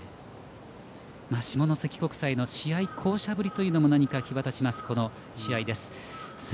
下関国際の試合巧者ぶりというのも際立つこの試合です。